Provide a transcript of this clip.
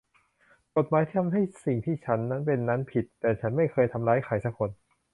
กฎหมายทำให้สิ่งที่ฉันเป็นนั้นผิด แต่ฉันไม่เคยทำร้ายใครสักคน